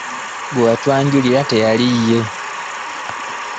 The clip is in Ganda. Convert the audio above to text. Gwe yatwanjulira teyali ye.